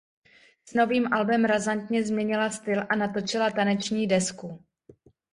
S novým albem razantně změnila styl a natočila taneční desku.